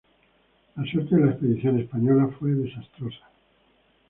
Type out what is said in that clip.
La suerte de la expedición española fue desastrosa.